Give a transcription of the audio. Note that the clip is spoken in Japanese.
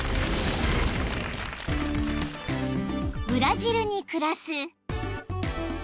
［ブラジルに暮らす］